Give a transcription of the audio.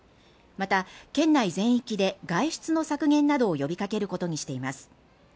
また県内全域で外出の削減などを呼びかけることにしています